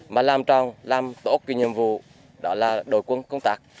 mà làm tròn làm tốt cái nhiệm vụ đó là đội quân công tác